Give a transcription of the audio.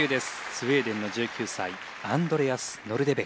スウェーデンの１９歳アンドレアス・ノルデベック。